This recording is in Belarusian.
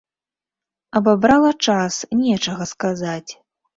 Абабрала час, нечага сказаць.